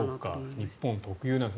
日本特有なんですね。